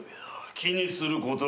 気にすることはない。